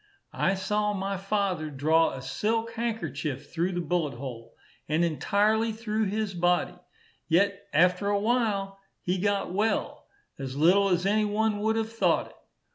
I saw my father draw a silk handkerchief through the bullet hole, and entirely through his body; yet after a while he got well, as little as any one would have thought it.